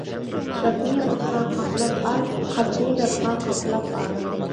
داپنى ئوتقا قاقلاپ ئال، قاپنى داپقا قاپلاپ ئال.